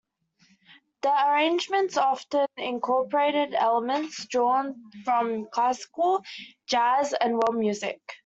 The arrangements often incorporated elements drawn from classical, jazz, and world music.